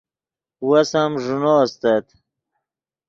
وس ام ݱینو استت